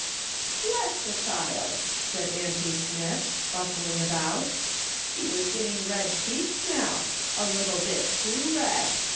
" Bless the child !" said auntie Smith, bustling about. " She is getting red cheeks now ; a little bit too red.